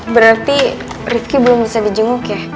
berarti rivki belum bisa di jenguk ya